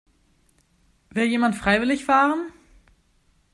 Will jemand freiwillig fahren?